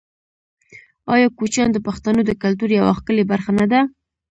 آیا کوچیان د پښتنو د کلتور یوه ښکلې برخه نه ده؟